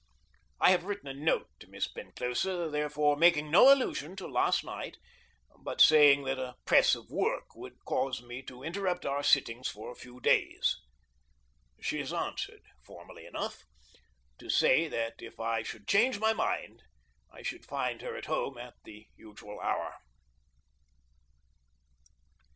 I have written a note to Miss Penclosa, therefore, making no allusion to last night, but saying that a press of work would cause me to interrupt our sittings for a few days. She has answered, formally enough, to say that if I should change my mind I should find her at home at the usual hour.